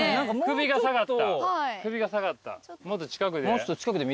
もっと近くで？